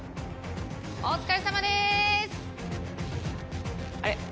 お疲れさまです。